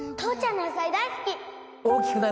父ちゃんの野菜大好き！